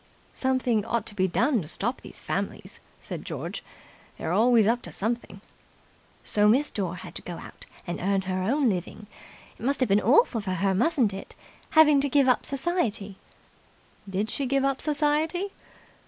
"Something ought to be done to stop these families," said George. "They're always up to something." "So Miss Dore had to go out and earn her own living. It must have been awful for her, mustn't it, having to give up society." "Did she give up society?"